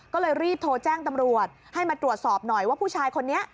ก็เลยรีบโทรแจ้งตำรวจให้มาตรวจสอบหน่อยว่าผู้ชายคนนี้